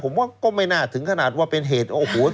ผมว่าก็ไม่น่าถึงขนาดว่าเป็นเหตุโอ้โห